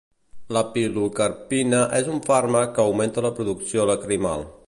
La pilocarpina és un fàrmac que augmenta la producció lacrimal.